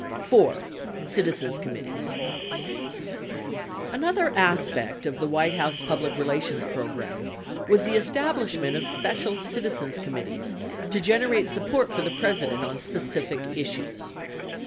4. CITIZENS COMMITTEES Another aspect of the White House public relations program was the establishment of special citizens committees to generate support for the President on specific issues.